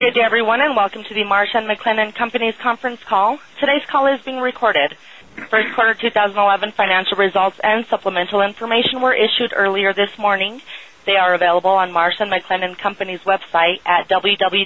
Good day, everyone, welcome to the Marsh & McLennan Companies conference call. Today's call is being recorded. First quarter 2011 financial results and supplemental information were issued earlier this morning. They are available on Marsh & McLennan Companies' website at www.mmc.com.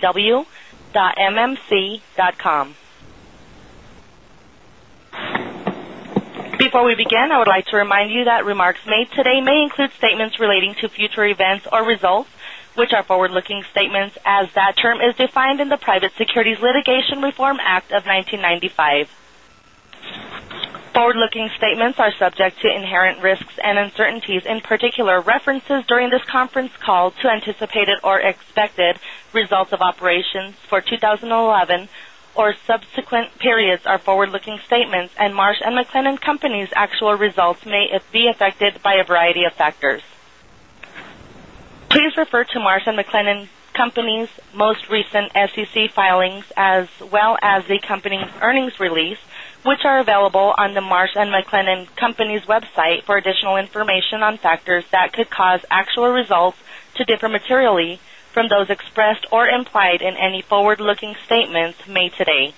Before we begin, I would like to remind you that remarks made today may include statements relating to future events or results, which are forward-looking statements as that term is defined in the Private Securities Litigation Reform Act of 1995. Forward-looking statements are subject to inherent risks and uncertainties, particular references during this conference call to anticipated or expected results of operations for 2011 or subsequent periods are forward-looking statements, and Marsh & McLennan Companies' actual results may be affected by a variety of factors. Please refer to Marsh & McLennan Companies' most recent SEC filings as well as the company's earnings release, which are available on the Marsh & McLennan Companies website for additional information on factors that could cause actual results to differ materially from those expressed or implied in any forward-looking statements made today.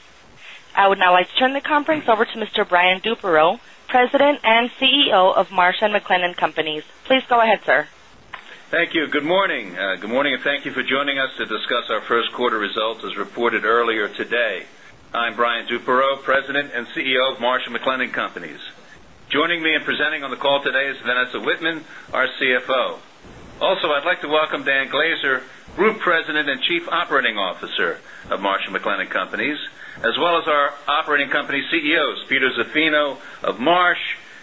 I would now like to turn the conference over to Mr. Brian Duperreault, President and CEO of Marsh & McLennan Companies. Please go ahead, sir. Thank you. Good morning, thank you for joining us to discuss our first quarter results as reported earlier today. I'm Brian Duperreault, President and CEO of Marsh & McLennan Companies. Joining me and presenting on the call today is Vanessa Wittman, our CFO. I'd like to welcome Dan Glaser, Group President and Chief Operating Officer of Marsh & McLennan Companies, as well as our operating company CEOs, Peter Zaffino of Marsh,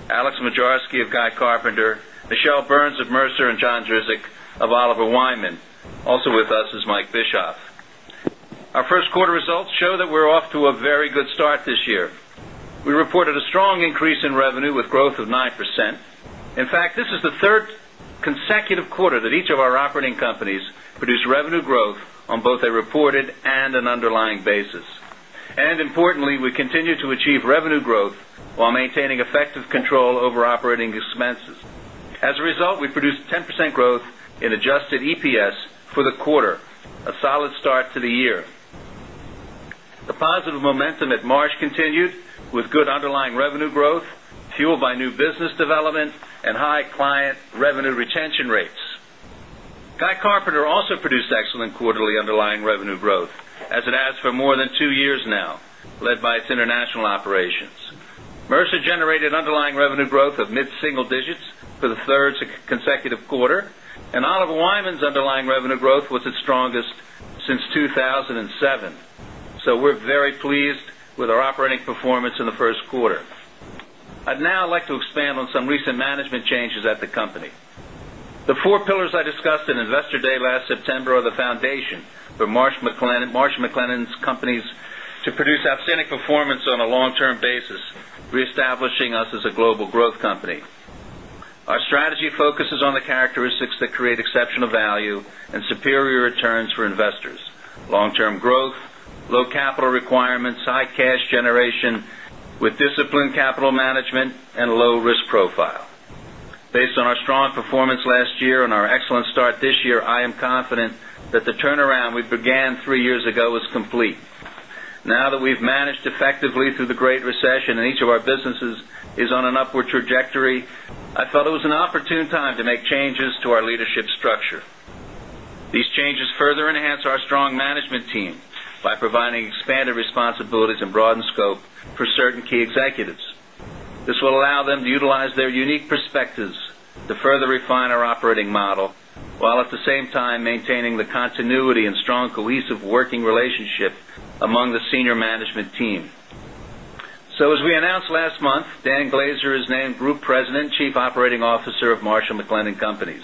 Alex Moczarski of Guy Carpenter, M. Michele Burns of Mercer, and John Drzik of Oliver Wyman. With us is J. Michael Bischoff. Our first quarter results show that we're off to a very good start this year. We reported a strong increase in revenue with growth of 9%. In fact, this is the third consecutive quarter that each of our operating companies produced revenue growth on both a reported and an underlying basis. Importantly, we continue to achieve revenue growth while maintaining effective control over operating expenses. As a result, we produced 10% growth in adjusted EPS for the quarter, a solid start to the year. The positive momentum at Marsh continued with good underlying revenue growth, fueled by new business development and high client revenue retention rates. Guy Carpenter also produced excellent quarterly underlying revenue growth, as it has for more than two years now, led by its international operations. Mercer generated underlying revenue growth of mid-single digits for the third consecutive quarter, Oliver Wyman's underlying revenue growth was its strongest since 2007. We're very pleased with our operating performance in the first quarter. I'd now like to expand on some recent management changes at the company. The four pillars I discussed in Investor Day last September are the foundation for Marsh & McLennan Companies to produce outstanding performance on a long-term basis, reestablishing us as a global growth company. Our strategy focuses on the characteristics that create exceptional value and superior returns for investors, long-term growth, low capital requirements, high cash generation with disciplined capital management, and low risk profile. Based on our strong performance last year and our excellent start this year, I am confident that the turnaround we began three years ago is complete. Now that we've managed effectively through the Great Recession and each of our businesses is on an upward trajectory, I felt it was an opportune time to make changes to our leadership structure. These changes further enhance our strong management team by providing expanded responsibilities and broadened scope for certain key executives. This will allow them to utilize their unique perspectives to further refine our operating model, while at the same time maintaining the continuity and strong, cohesive working relationship among the senior management team. As we announced last month, Dan Glaser is named Group President, Chief Operating Officer of Marsh & McLennan Companies.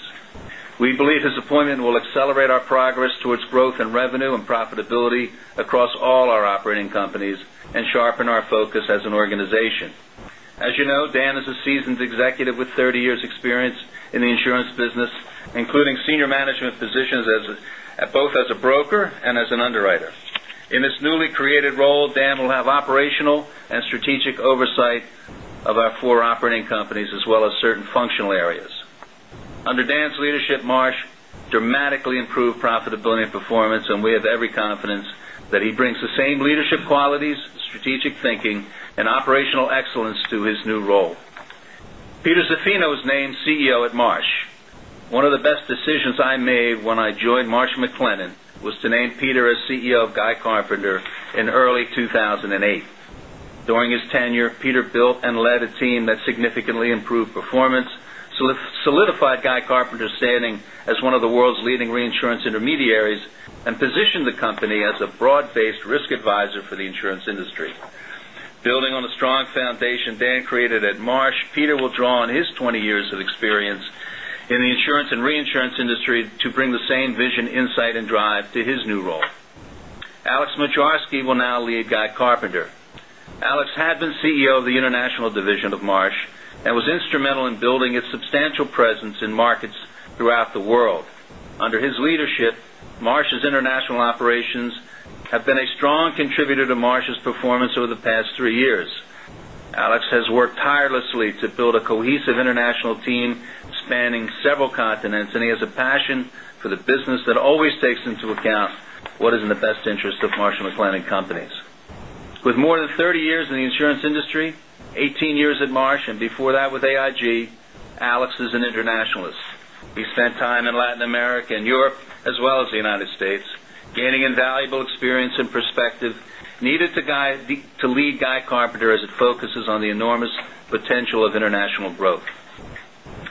We believe his appointment will accelerate our progress towards growth in revenue and profitability across all our operating companies and sharpen our focus as an organization. As you know, Dan is a seasoned executive with 30 years experience in the insurance business, including senior management positions both as a broker and as an underwriter. In his newly created role, Dan will have operational and strategic oversight of our four operating companies, as well as certain functional areas. Under Dan's leadership, Marsh dramatically improved profitability and performance, and we have every confidence that he brings the same leadership qualities, strategic thinking, and operational excellence to his new role. Peter Zaffino was named CEO at Marsh. One of the best decisions I made when I joined Marsh & McLennan was to name Peter as CEO of Guy Carpenter in early 2008. During his tenure, Peter built and led a team that significantly improved performance, solidified Guy Carpenter's standing as one of the world's leading reinsurance intermediaries, and positioned the company as a broad-based risk advisor for the insurance industry. Building on the strong foundation Dan created at Marsh, Peter will draw on his 20 years of experience in the insurance and reinsurance industry to bring the same vision, insight, and drive to his new role. Alex Moczarski will now lead Guy Carpenter. Alex had been CEO of the international division of Marsh and was instrumental in building its substantial presence in markets throughout the world. Under his leadership, Marsh's international operations have been a strong contributor to Marsh's performance over the past three years. Alex has worked tirelessly to build a cohesive international team spanning several continents, and he has a passion for the business that always takes into account what is in the best interest of Marsh & McLennan Companies. With more than 30 years in the insurance industry, 18 years at Marsh, and before that with AIG, Alex is an internationalist. He spent time in Latin America and Europe, as well as the United States, gaining invaluable experience and perspective needed to lead Guy Carpenter as it focuses on the enormous potential of international growth.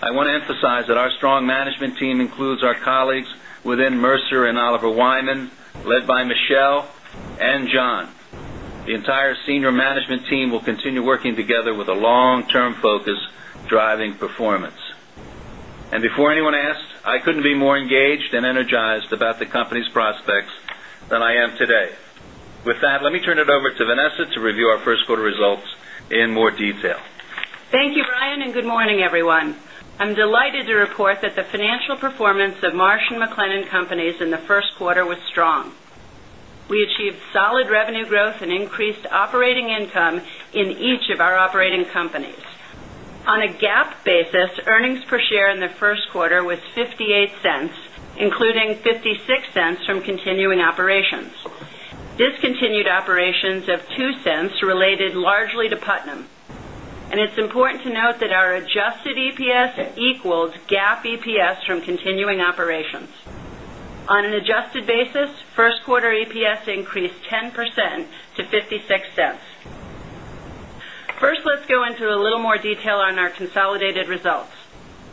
I want to emphasize that our strong management team includes our colleagues within Mercer and Oliver Wyman, led by Michelle and John. The entire senior management team will continue working together with a long-term focus driving performance. Before anyone asks, I couldn't be more engaged and energized about the company's prospects than I am today. With that, let me turn it over to Vanessa to review our first quarter results in more detail. Thank you, Brian, and good morning, everyone. I'm delighted to report that the financial performance of Marsh & McLennan Companies in the first quarter was strong. We achieved solid revenue growth and increased operating income in each of our operating companies. On a GAAP basis, earnings per share in the first quarter was $0.58, including $0.56 from continuing operations. Discontinued operations of $0.02 related largely to Putnam. It's important to note that our adjusted EPS equals GAAP EPS from continuing operations. On an adjusted basis, first quarter EPS increased 10% to $0.56. First, let's go into a little more detail on our consolidated results.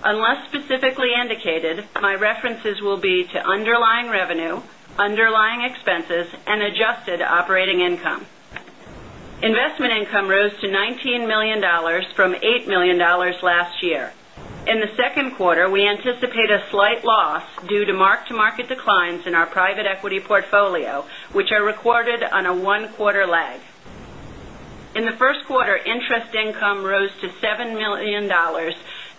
Unless specifically indicated, my references will be to underlying revenue, underlying expenses, and adjusted operating income. Investment income rose to $19 million from $8 million last year. In the second quarter, we anticipate a slight loss due to mark-to-market declines in our private equity portfolio, which are recorded on a one-quarter lag. In the first quarter, interest income rose to $7 million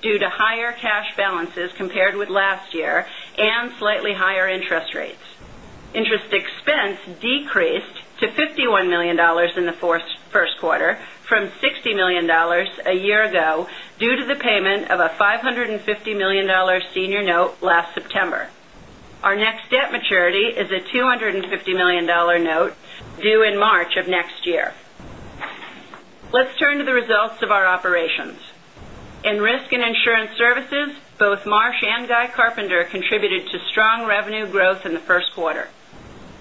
due to higher cash balances compared with last year and slightly higher interest rates. Interest expense decreased to $51 million in the first quarter from $60 million a year ago due to the payment of a $550 million senior note last September. Our next debt maturity is a $250 million note due in March of next year. Let's turn to the results of our operations. In Risk and Insurance Services, both Marsh and Guy Carpenter contributed to strong revenue growth in the first quarter.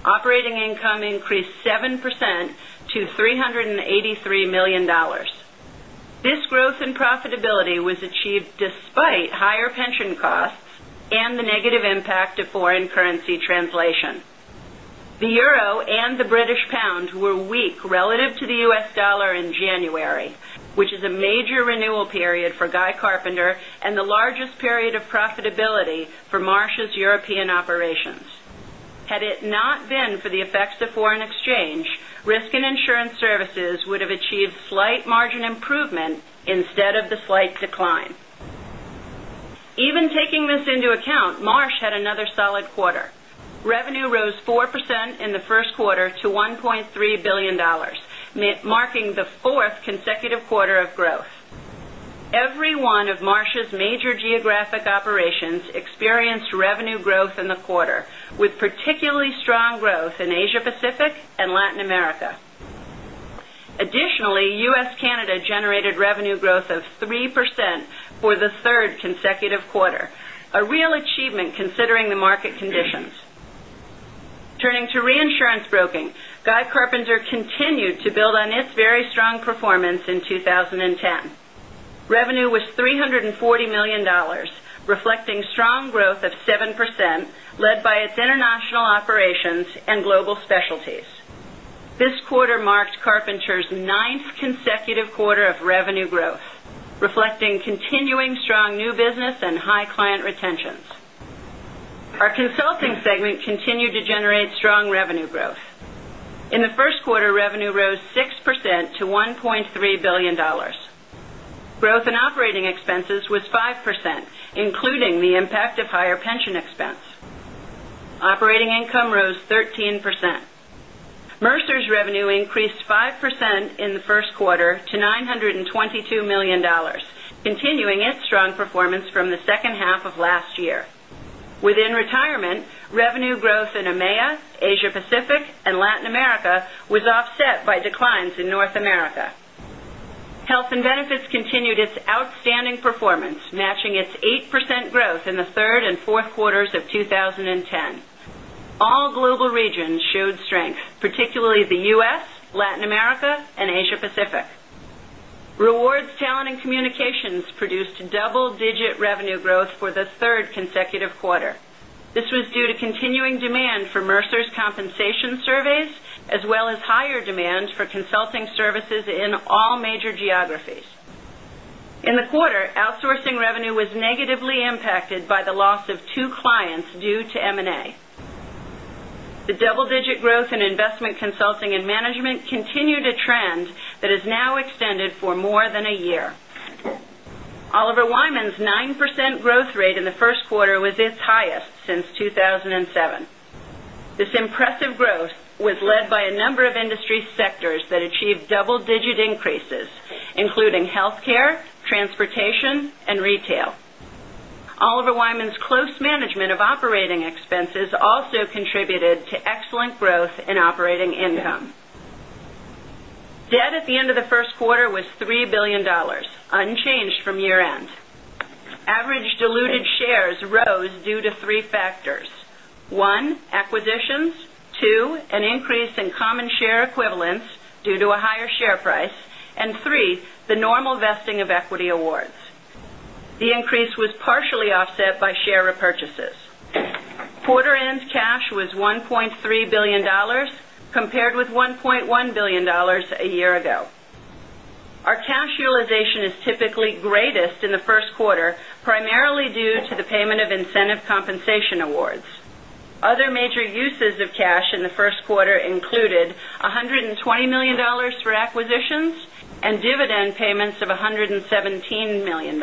Operating income increased 7% to $383 million. This growth and profitability was achieved despite higher pension costs and the negative impact of foreign currency translation. The EUR and the GBP were weak relative to the USD in January, which is a major renewal period for Guy Carpenter and the largest period of profitability for Marsh's European operations. Had it not been for the effects of foreign exchange, Risk and Insurance Services would have achieved slight margin improvement instead of the slight decline. Even taking this into account, Marsh had another solid quarter. Revenue rose 4% in the first quarter to $1.3 billion, marking the fourth consecutive quarter of growth. Every one of Marsh's major geographic operations experienced revenue growth in the quarter, with particularly strong growth in Asia Pacific and Latin America. Additionally, U.S./Canada generated revenue growth of 3% for the third consecutive quarter, a real achievement considering the market conditions. Turning to reinsurance broking, Guy Carpenter continued to build on its very strong performance in 2010. Revenue was $340 million, reflecting strong growth of 7%, led by its international operations and global specialties. This quarter marks Carpenter's ninth consecutive quarter of revenue growth, reflecting continuing strong new business and high client retentions. Our consulting segment continued to generate strong revenue growth. In the first quarter, revenue rose 6% to $1.3 billion. Growth in operating expenses was 5%, including the impact of higher pension expense. Operating income rose 13%. Mercer's revenue increased 5% in the first quarter to $922 million, continuing its strong performance from the second half of last year. Within retirement, revenue growth in EMEA, Asia Pacific, and Latin America was offset by declines in North America. Health & Benefits continued its outstanding performance, matching its 8% growth in the third and fourth quarters of 2010. All global regions showed strength, particularly the U.S., Latin America, and Asia Pacific. Rewards, Talent and Communications produced double-digit revenue growth for the third consecutive quarter. This was due to continuing demand for Mercer's compensation surveys, as well as higher demand for consulting services in all major geographies. In the quarter, outsourcing revenue was negatively impacted by the loss of two clients due to M&A. The double-digit growth in investment consulting and management continued a trend that has now extended for more than a year. Oliver Wyman's 9% growth rate in the first quarter was its highest since 2007. This impressive growth was led by a number of industry sectors that achieved double-digit increases, including healthcare, transportation, and retail. Oliver Wyman's close management of operating expenses also contributed to excellent growth in operating income. Debt at the end of the first quarter was $3 billion, unchanged from year-end. Average diluted shares rose due to three factors. One, acquisitions, two, an increase in common share equivalents due to a higher share price, and three, the normal vesting of equity awards. The increase was partially offset by share repurchases. Quarter end's cash was $1.3 billion, compared with $1.1 billion a year ago. Our cash utilization is typically greatest in the first quarter, primarily due to the payment of incentive compensation awards. Other major uses of cash in the first quarter included $120 million for acquisitions and dividend payments of $117 million.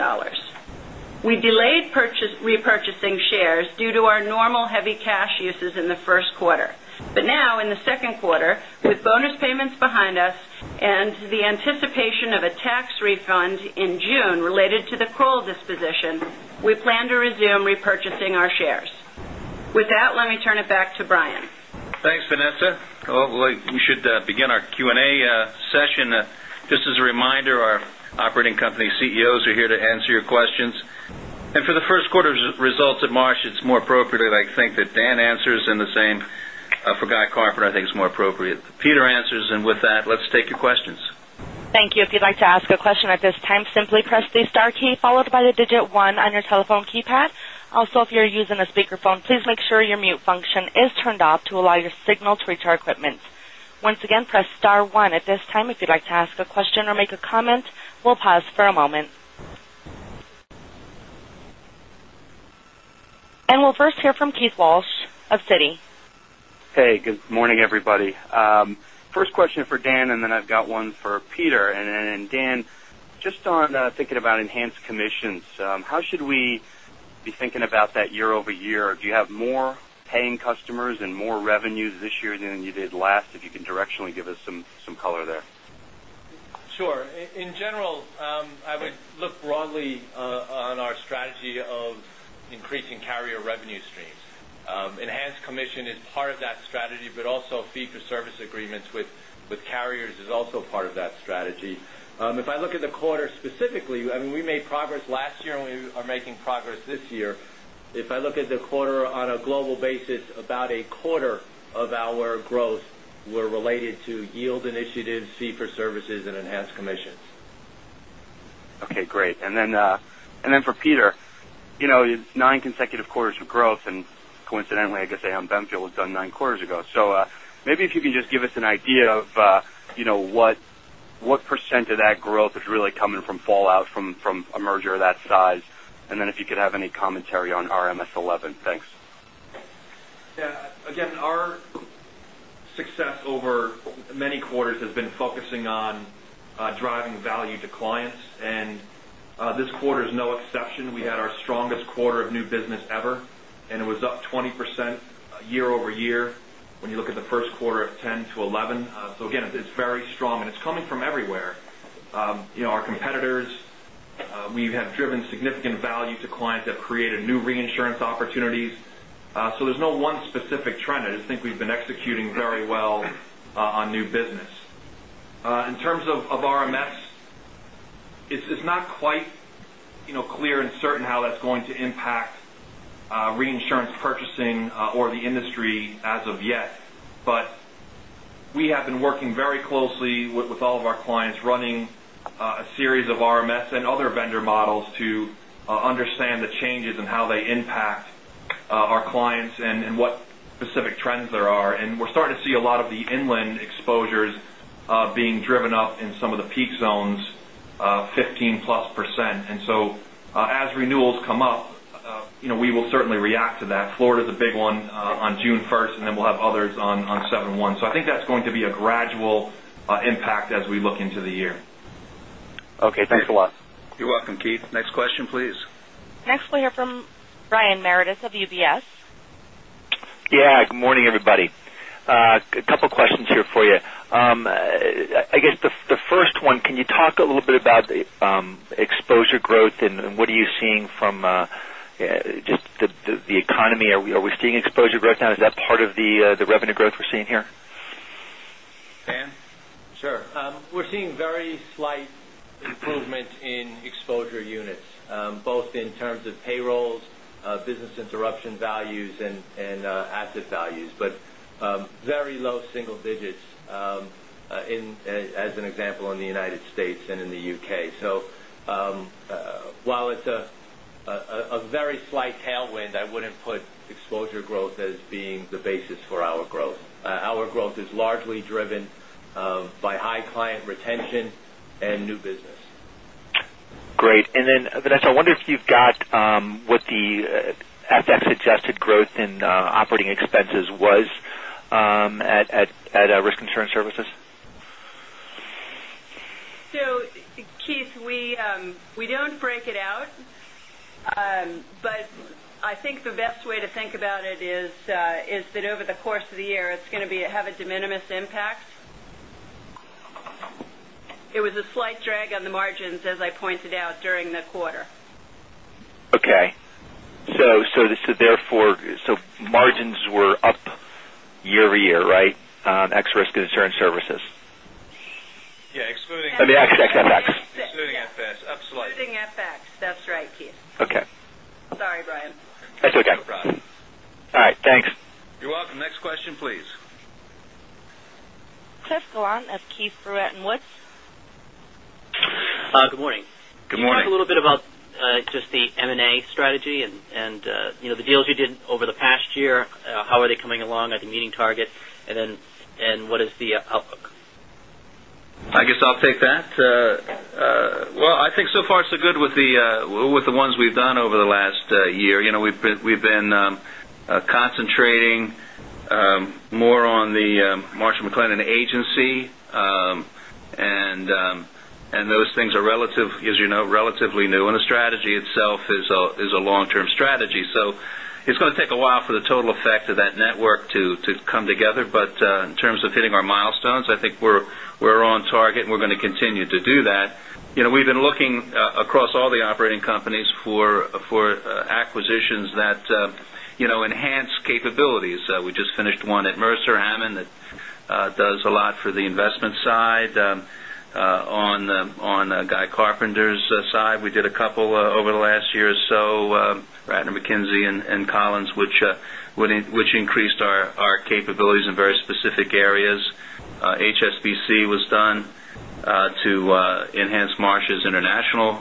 We delayed repurchasing shares due to our normal heavy cash uses in the first quarter. Now, in the second quarter, with bonus payments behind us and the anticipation of a tax refund in June related to the Kroll disposition, we plan to resume repurchasing our shares. With that, let me turn it back to Brian. Thanks, Vanessa. We should begin our Q&A session. Just as a reminder, our operating company CEOs are here to answer your questions. For the first quarter's results at Marsh, it's more appropriate, I think, that Dan answers, and the same for Guy Carpenter, I think it's more appropriate Peter answers. With that, let's take your questions. Thank you. If you'd like to ask a question at this time, simply press the star key followed by the digit one on your telephone keypad. Also, if you're using a speakerphone, please make sure your mute function is turned off to allow your signal to reach our equipment. Once again, press star one at this time if you'd like to ask a question or make a comment. We'll pause for a moment. We'll first hear from Keith Walsh of Citi. Hey, good morning, everybody. First question for Dan, and then I've got one for Peter. Dan, just on thinking about enhanced commissions, how should we be thinking about that year-over-year? Do you have more paying customers and more revenues this year than you did last? If you can directionally give us some color there. Sure. In general, I would look broadly on our strategy of increasing carrier revenue streams. Enhanced commission is part of that strategy, but also fee for service agreements with carriers is also part of that strategy. If I look at the quarter specifically, we made progress last year, and we are making progress this year. If I look at the quarter on a global basis, about a quarter of our growth were related to yield initiatives, fee for services, and enhanced commissions. Okay, great. For Peter, nine consecutive quarters of growth, and coincidentally, I guess Aon Benfield was done nine quarters ago. Maybe if you can just give us an idea of what % of that growth is really coming from fallout from a merger of that size. If you could have any commentary on RMS v11. Thanks. Yeah. Again, our success over many quarters has been focusing on driving value to clients, this quarter is no exception. We had our strongest quarter of new business ever, it was up 20% year-over-year when you look at the first quarter of 2010 to 2011. Again, it's very strong, it's coming from everywhere. Our competitors, we have driven significant value to clients that created new reinsurance opportunities. There's no one specific trend. I just think we've been executing very well on new business. In terms of RMS, it's not quite clear and certain how that's going to impact reinsurance purchasing or the industry as of yet. We have been working very closely with all of our clients, running a series of RMS and other vendor models to understand the changes and how they impact our clients and what specific trends there are. We're starting to see a lot of the inland exposures being driven up in some of the peak zones, 15%+. As renewals come up, we will certainly react to that. Florida's a big one on June 1st, then we'll have others on 7/1. I think that's going to be a gradual impact as we look into the year. Okay, thanks a lot. You're welcome, Keith. Next question, please. Next, we'll hear from Brian Meredith of UBS. Yeah, good morning, everybody. A couple of questions here for you. I guess the first one, can you talk a little bit about exposure growth and what are you seeing from just the economy? Are we seeing exposure growth now? Is that part of the revenue growth we're seeing here? Dan? Sure. We're seeing very slight improvements in exposure units, both in terms of payrolls, business interruption values, and asset values, but very low single digits as an example in the United States and in the U.K. While it's a very slight tailwind, I wouldn't put exposure growth as being the basis for our growth. Our growth is largely driven by high client retention and new business. Great. Vanessa, I wonder if you've got what the FX-adjusted growth in operating expenses was? At Risk Insurance Services? Keith, we don't break it out. I think the best way to think about it is that over the course of the year, it's going to have a de minimis impact. It was a slight drag on the margins, as I pointed out during the quarter. Okay. Margins were up year-over-year, right? Ex Risk Insurance Services. Yeah, excluding- Ex FX. Excluding FX, up slightly. Excluding FX. That's right, Keith. Okay. Sorry, Brian. That's okay. No problem. All right, thanks. You're welcome. Next question, please. Cliff Gallant of Keefe, Bruyette & Woods. Good morning. Good morning. Can you talk a little bit about just the M&A strategy and the deals you did over the past year? How are they coming along at the meeting target, and what is the outlook? I guess I'll take that. Well, I think so far, so good with the ones we've done over the last year. We've been concentrating more on the Marsh & McLennan Agency. Those things are, as you know, relatively new, and the strategy itself is a long-term strategy. It's going to take a while for the total effect of that network to come together. In terms of hitting our milestones, I think we're on target, and we're going to continue to do that. We've been looking across all the operating companies for acquisitions that enhance capabilities. We just finished one at Mercer, Hammond, that does a lot for the investment side. On Guy Carpenter's side, we did a couple over the last year or so, Rattner Mackenzie and Collins, which increased our capabilities in very specific areas. HSBC was done to enhance Marsh's international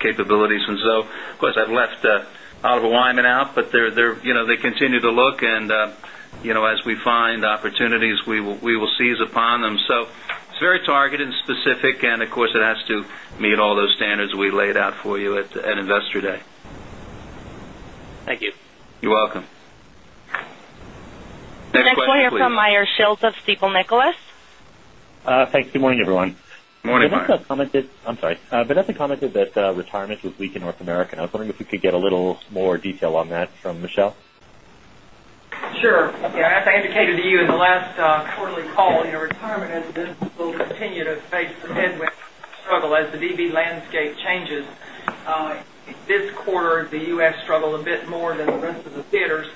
capabilities. Of course, I've left out Oliver Wyman, but they continue to look and as we find opportunities, we will seize upon them. It's very targeted and specific, and of course, it has to meet all those standards we laid out for you at Investor Day. Thank you. You're welcome. Next question, please. Next we'll hear from Meyer Shields of Stifel Nicolaus. Thanks. Good morning, everyone. Good morning, Meyer. I'm sorry. Vanessa commented that retirement was weak in North America. I was wondering if we could get a little more detail on that from Michelle. Sure. As I indicated to you in the last quarterly call, retirement as a business will continue to face some headwinds as the DB landscape changes. This quarter, the U.S. struggled a bit more than the rest of the theaters.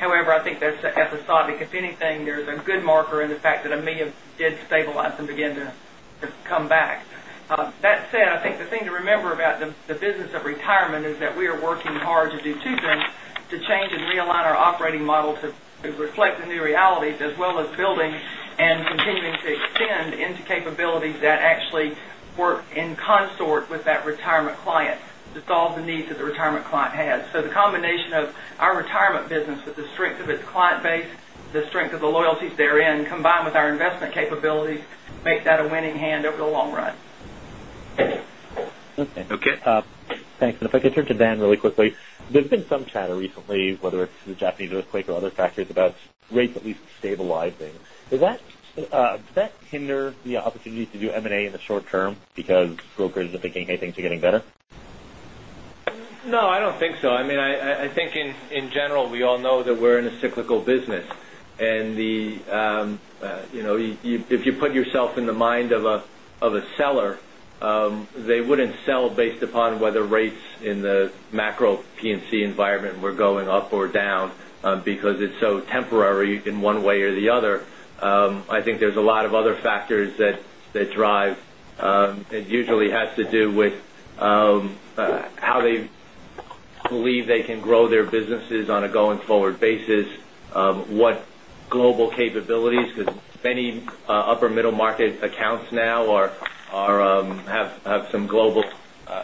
I think that's episodic. If anything, there's a good marker in the fact that EMEA did stabilize and begin to come back. I think the thing to remember about the business of retirement is that we are working hard to do two things, to change and realign our operating model to reflect the new realities, as well as building and continuing to extend into capabilities that actually work in consort with that retirement client to solve the needs that the retirement client has. The combination of our retirement business with the strength of its client base, the strength of the loyalties therein, combined with our investment capabilities, makes that a winning hand over the long run. Okay. Okay. Thanks. If I could turn to Dan really quickly. There's been some chatter recently, whether it's the Japanese earthquake or other factors about rates at least stabilizing. Does that hinder the opportunities to do M&A in the short term because brokers are thinking, "Hey, things are getting better? No, I don't think so. I think in general, we all know that we're in a cyclical business. If you put yourself in the mind of a seller, they wouldn't sell based upon whether rates in the macro P&C environment were going up or down because it's so temporary in one way or the other. I think there's a lot of other factors that drive. It usually has to do with how they believe they can grow their businesses on a going-forward basis, what global capabilities, because many upper middle market accounts now have some global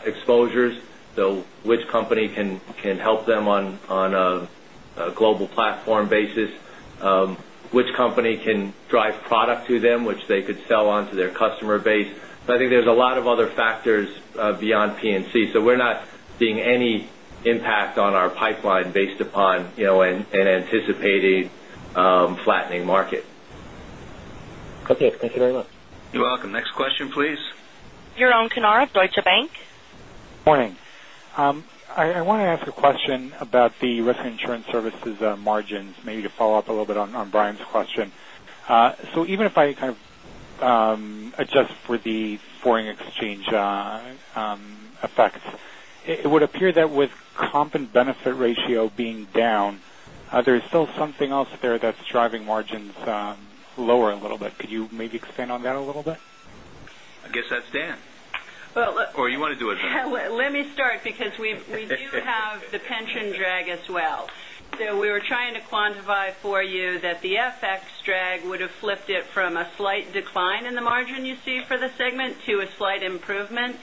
exposures. Which company can help them on a global platform basis? Which company can drive product to them, which they could sell on to their customer base? I think there's a lot of other factors beyond P&C. We're not seeing any impact on our pipeline based upon an anticipated flattening market. Okay. Thank you very much. You're welcome. Next question, please. Yaron Kinar, Deutsche Bank. Morning. I want to ask a question about the Risk and Insurance Services margins, maybe to follow up a little bit on Brian's question. Even if I kind of adjust for the foreign exchange effects, it would appear that with comp and benefit ratio being down, there's still something else there that's driving margins lower a little bit. Could you maybe expand on that a little bit? I guess that's Dan. Well. You want to do it, Vanessa? Let me start because we do have the pension drag as well. We were trying to quantify for you that the FX drag would've flipped it from a slight decline in the margin you see for the segment to a slight improvement.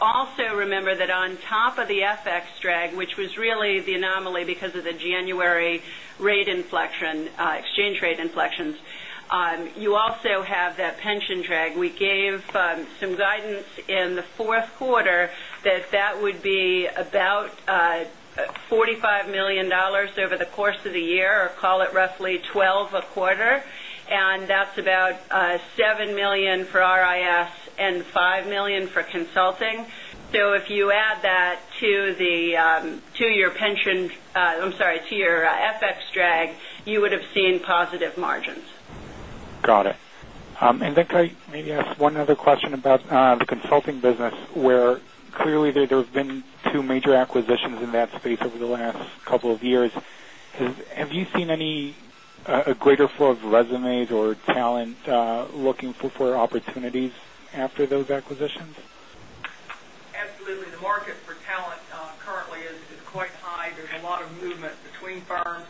Also remember that on top of the FX drag, which was really the anomaly because of the January exchange rate inflections. You also have that pension drag. We gave some guidance in the fourth quarter that would be about $45 million over the course of the year, or call it roughly $12 million a quarter. That's about $7 million for RIS and $5 million for consulting. If you add that to your pension, I'm sorry, to your FX drag, you would have seen positive margins. Got it. Can I maybe ask one other question about the consulting business, where clearly there have been two major acquisitions in that space over the last couple of years. Have you seen a greater flow of resumes or talent looking for opportunities after those acquisitions? Absolutely. The market for talent currently is quite high. There's a lot of movement between firms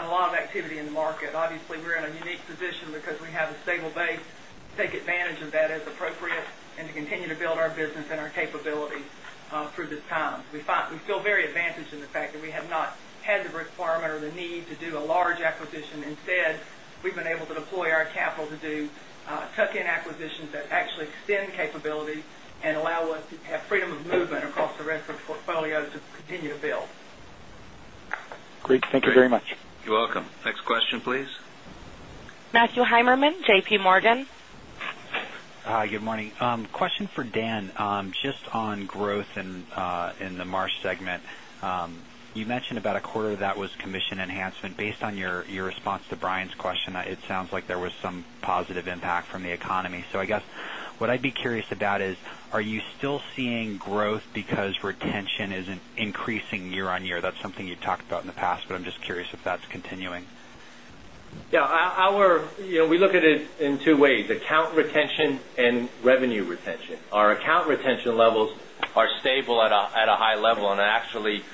and a lot of activity in the market. Obviously, we're in a unique position because we have a stable base to take advantage of that as appropriate and to continue to build our business and our capabilities through this time. We feel very advantaged in the fact that we have not had the requirement or the need to do a large acquisition. Instead, we've been able to deploy our capital to do tuck-in acquisitions that actually extend capability and allow us to have freedom of movement across the rest of the portfolio to continue to build. Great. Thank you very much. You're welcome. Next question, please. Matthew Heimermann, JPMorgan. Hi, good morning. Question for Dan, just on growth in the Marsh segment. You mentioned about a quarter that was commission enhancement. Based on your response to Brian's question, it sounds like there was some positive impact from the economy. I guess what I'd be curious about is, are you still seeing growth because retention isn't increasing year-on-year? That's something you talked about in the past, but I'm just curious if that's continuing. Yeah. We look at it in two ways, account retention and revenue retention. Our account retention levels are stable at a high level and actually,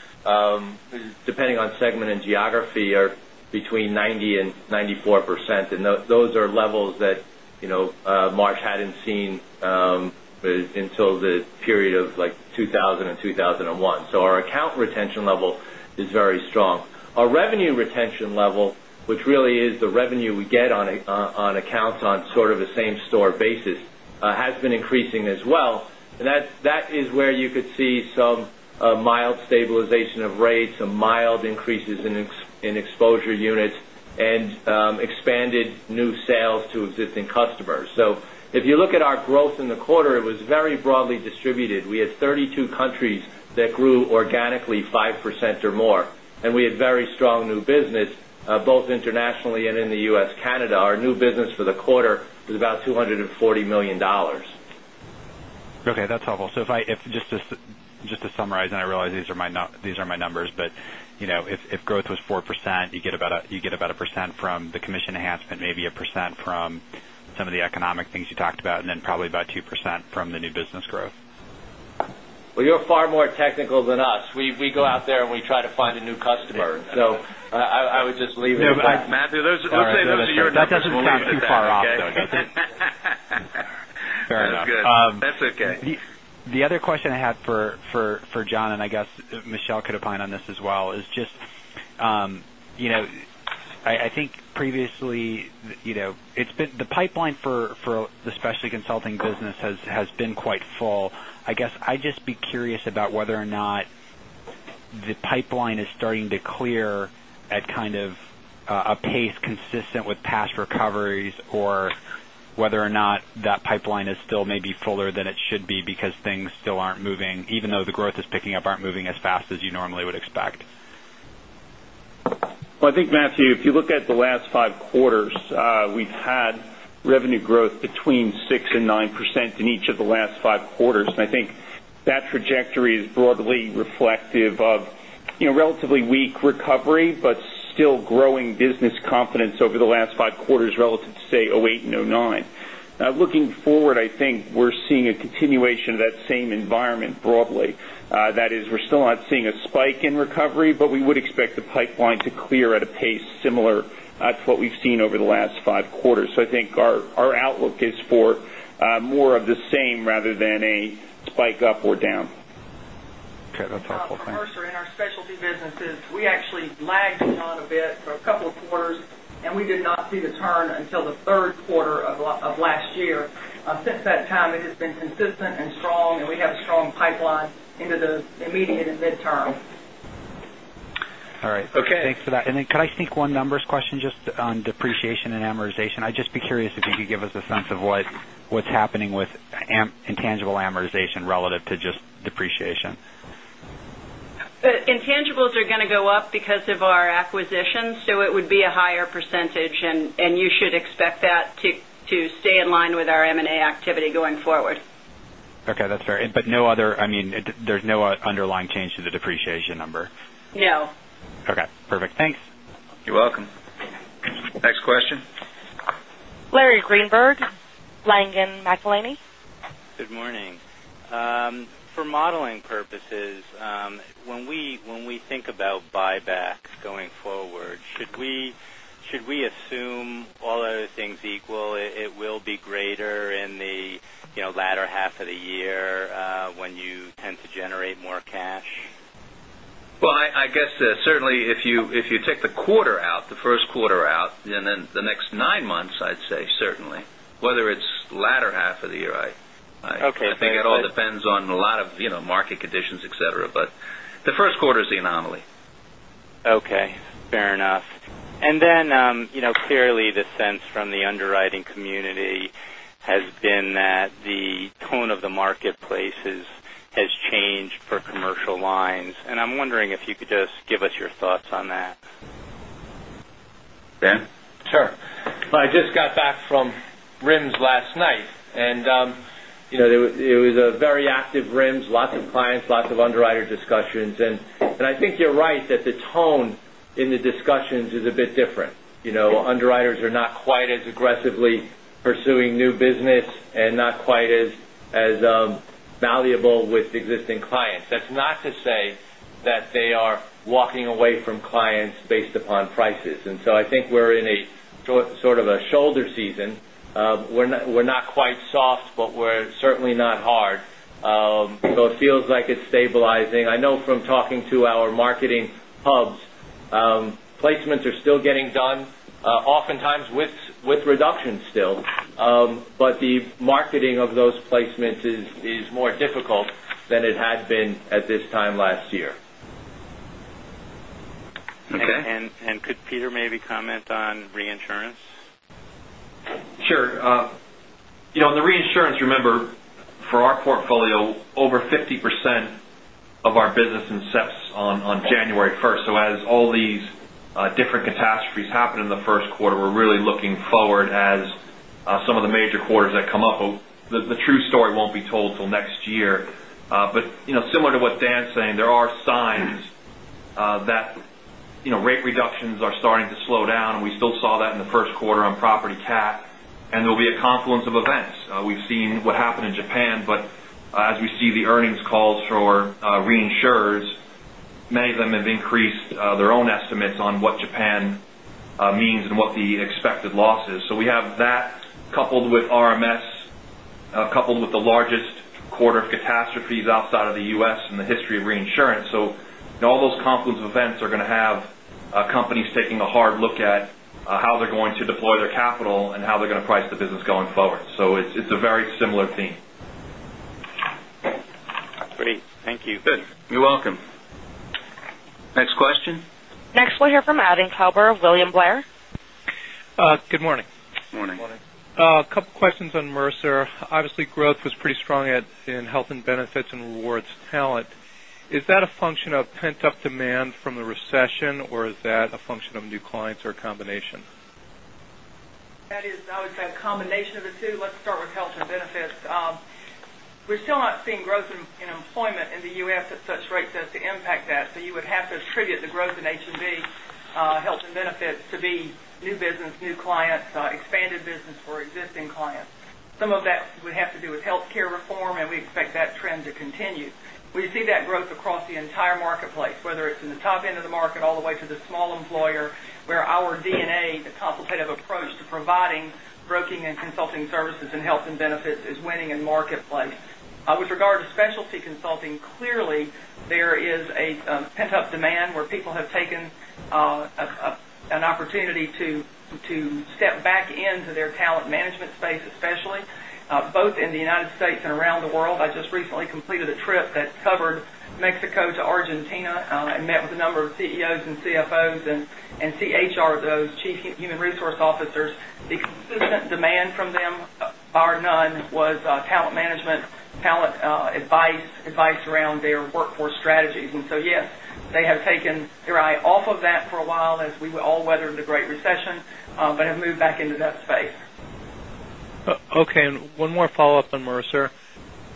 depending on segment and geography, are between 90%-94%. Those are levels that Marsh hadn't seen until the period of 2000 and 2001. Our account retention level is very strong. Our revenue retention level, which really is the revenue we get on accounts on sort of a same store basis, has been increasing as well. That is where you could see some mild stabilization of rates, some mild increases in exposure units and expanded new sales to existing customers. If you look at our growth in the quarter, it was very broadly distributed. We had 32 countries that grew organically 5% or more, we had very strong new business both internationally and in the U.S., Canada. Our new business for the quarter was about $240 million. Okay, that's helpful. Just to summarize, and I realize these are my numbers, but if growth was 4%, you get about 1% from the commission enhancement, maybe 1% from some of the economic things you talked about, and then probably about 2% from the new business growth. Well, you're far more technical than us. We go out there and we try to find a new customer. I would just leave it at that. No, Matthew, let's say those are your numbers. That doesn't sound too far off, though, does it? That's good. Fair enough. That's okay. The other question I had for John, and I guess Michelle could opine on this as well, is just, I think previously, the pipeline for the specialty consulting business has been quite full. I guess I'd just be curious about whether or not the pipeline is starting to clear at kind of a pace consistent with past recoveries, or whether or not that pipeline is still maybe fuller than it should be because things still aren't moving, even though the growth is picking up, aren't moving as fast as you normally would expect. Well, I think, Matthew, if you look at the last five quarters, we've had revenue growth between 6% and 9% in each of the last five quarters. I think that trajectory is broadly reflective of relatively weak recovery, but still growing business confidence over the last five quarters relative to, say, 2008 and 2009. Looking forward, I think we're seeing a continuation of that same environment broadly. That is, we're still not seeing a spike in recovery, but we would expect the pipeline to clear at a pace similar to what we've seen over the last five quarters. I think our outlook is for more of the same rather than a spike up or down. Okay. That's helpful. Thanks. For Mercer, in our specialty businesses, we actually lagged the economy a bit for a couple of quarters, and we did not see the turn until the third quarter of last year. Since that time, it has been consistent and strong, and we have a strong pipeline into the immediate and midterm. All right. Okay. Thanks for that. Then could I sneak one numbers question just on depreciation and amortization? I'd just be curious if you could give us a sense of what's happening with intangible amortization relative to just depreciation. Intangibles are going to go up because of our acquisitions, it would be a higher percentage, you should expect that to stay in line with our M&A activity going forward. Okay, that's fair. There's no underlying change to the depreciation number? No. Okay, perfect. Thanks. You're welcome. Next question. Larry Greenberg, Langen McAlenney. Good morning. For modeling purposes, when we think about buybacks going forward, should we assume all other things equal, it will be greater in the latter half of the year when you tend to generate more cash? Well, I guess certainly if you take the first quarter out, then the next nine months, I'd say certainly. Whether it's latter half of the year. Okay I think it all depends on a lot of market conditions, et cetera. The first quarter is the anomaly. Okay, fair enough. Clearly the sense from the underwriting community has been that the tone of the marketplace has changed for commercial lines, and I'm wondering if you could just give us your thoughts on that. Dan? Sure. I just got back from RIMS last night, it was a very active RIMS, lots of clients, lots of underwriter discussions. I think you're right that the tone in the discussions is a bit different. Underwriters are not quite as aggressively pursuing new business and not quite as valuable with existing clients. That's not to say that they are walking away from clients based upon prices. I think we're in a sort of a shoulder season. We're not quite soft, we're certainly not hard. It feels like it's stabilizing. I know from talking to our marketing hubs, placements are still getting done, oftentimes with reductions still. The marketing of those placements is more difficult than it had been at this time last year. Okay. Could Peter maybe comment on reinsurance? Sure. In the reinsurance, remember, for our portfolio, over 50% of our business incepts on January 1st. As all these different catastrophes happen in the first quarter, we're really looking forward as some of the major quarters that come up. The true story won't be told till next year. Similar to what Dan's saying, there are signs that rate reductions are starting to slow down, and we still saw that in the first quarter on property cat, and there'll be a confluence of events. We've seen what happened in Japan, but as we see the earnings calls for reinsurers, many of them have increased their own estimates on what Japan means and what the expected loss is. We have that coupled with RMS, coupled with the largest quarter of catastrophes outside of the U.S. in the history of reinsurance. All those confluence events are going to have companies taking a hard look at how they're going to deploy their capital and how they're going to price the business going forward. It's a very similar theme. Great. Thank you. Good. You're welcome. Next question. Next we'll hear from Adam Klauber, William Blair. Good morning. Morning. Morning. A couple questions on Mercer. Obviously, growth was pretty strong in Health & Benefits and Rewards, Talent. Is that a function of pent-up demand from the recession, or is that a function of new clients or a combination? That is, I would say, a combination of the two. Let's start with Health & Benefits. We're still not seeing growth in employment in the U.S. at such rates as to impact that. You would have to attribute the growth in H&B, Health & Benefits, to be new business, new clients, expanded business for existing clients. Some of that would have to do with healthcare reform, and we expect that trend to continue. We see that growth across the entire marketplace, whether it's in the top end of the market all the way to the small employer, where our DNA, the consultative approach to providing broking and consulting services in Health & Benefits, is winning in the marketplace. With regard to specialty consulting, clearly, there is a pent-up demand where people have taken an opportunity to step back into their talent management space, especially both in the United States and around the world. I just recently completed a trip that covered Mexico to Argentina. I met with a number of CEOs and CFOs and CHROs, those Chief Human Resources Officers. The consistent demand from them, bar none, was talent management, talent advice around their workforce strategies. Yes, they have taken their eye off of that for a while as we all weathered the Great Recession, but have moved back into that space. One more follow-up on Mercer.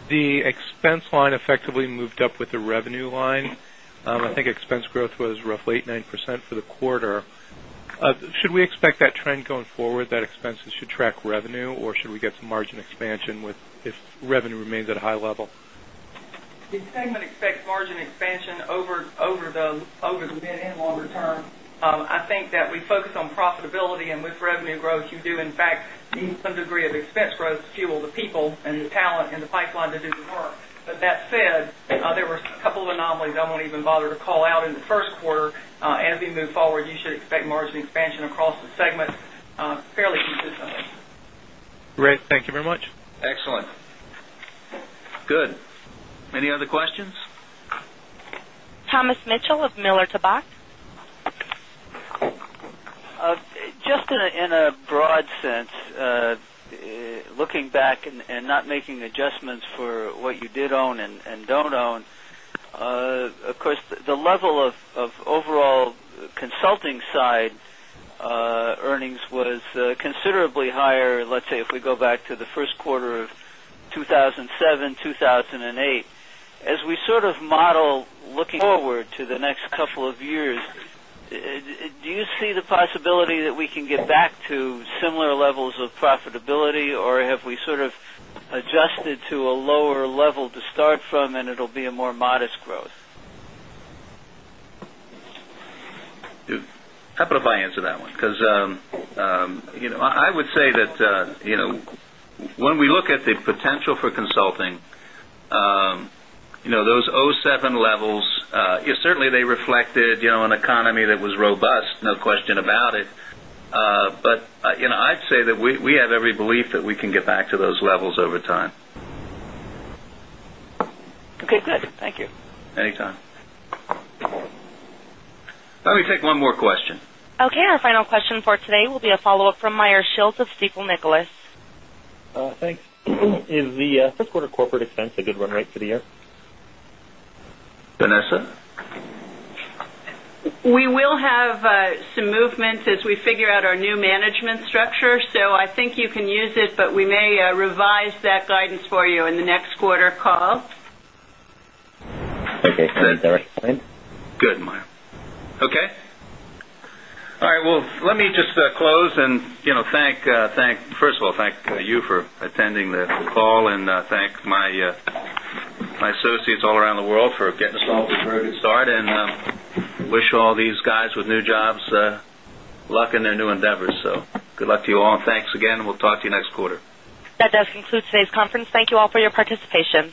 The expense line effectively moved up with the revenue line. I think expense growth was roughly 8%-9% for the quarter. Should we expect that trend going forward, that expenses should track revenue, or should we get some margin expansion if revenue remains at a high level? The segment expects margin expansion over the mid and longer term. I think that we focus on profitability, and with revenue growth, you do in fact need some degree of expense growth to fuel the people and the talent and the pipeline to do the work. That said, there were a couple of anomalies I won't even bother to call out in the first quarter. As we move forward, you should expect margin expansion across the segment fairly consistently. Great. Thank you very much. Excellent. Good. Any other questions? Thomas Mitchell of Miller Tabak. Just in a broad sense, looking back and not making adjustments for what you did own and don't own, of course, the level of overall consulting side earnings was considerably higher, let's say, if we go back to the first quarter of 2007, 2008. As we sort of model looking forward to the next couple of years, do you see the possibility that we can get back to similar levels of profitability, or have we sort of adjusted to a lower level to start from and it'll be a more modest growth? How about if I answer that one? I would say that when we look at the potential for consulting, those 2007 levels, certainly they reflected an economy that was robust, no question about it. I'd say that we have every belief that we can get back to those levels over time. Okay, good. Thank you. Anytime. Why don't we take one more question? Our final question for today will be a follow-up from Meyer Shields of Stifel Nicolaus. Thanks. Is the first quarter corporate expense a good run rate for the year? Vanessa? We will have some movements as we figure out our new management structure, so I think you can use it, but we may revise that guidance for you in the next quarter call. Okay, fair. All right. Thanks. Good, Meyer. Okay? All right. Well, let me just close and first of all, thank you for attending this call and thank my associates all around the world for getting us all prepared to start and wish all these guys with new jobs luck in their new endeavors. Good luck to you all, and thanks again, and we'll talk to you next quarter. That does conclude today's conference. Thank you all for your participation.